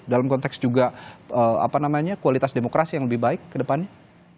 dalam konteks juga kualitas demokrasi yang lebih baik ke depannya